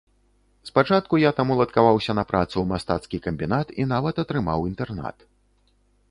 Спачатку я там уладкаваўся на працу ў мастацкі камбінат і нават атрымаў інтэрнат.